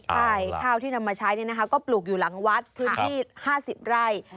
ใช่ข้าวที่นำมาใช้ก็ปลูกอยู่หลังวัดพื้นที่๕๐ไร่